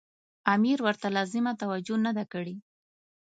امیر ورته لازمه توجه نه ده کړې.